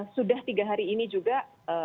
sudah tiga hari ini juga